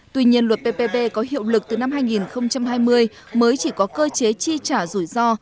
tuy nhiên luật ppp có hiệu lực từ năm hai nghìn hai mươi mới chỉ có cơ chế chi trả rủi ro